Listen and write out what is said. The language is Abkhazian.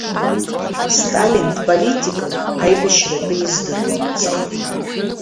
Сталин дполитикын, аибашьра атәы издыруамызт.